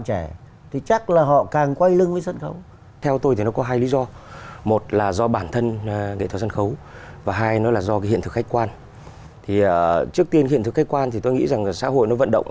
theo kế quan thì tôi nghĩ rằng là xã hội nó vận động